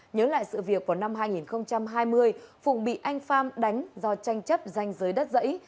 nhớ lại sự việc của năm hai nghìn hai mươi phùng bị anh pham đánh do tranh chấp danh giới đất dãy